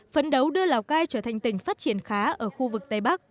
phấn đấu đưa lào cai trở thành tỉnh phát triển khá ở khu vực tây bắc